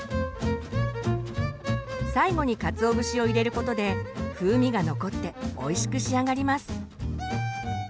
最後にかつお節を入れることで風味が残っておいしく仕上がります。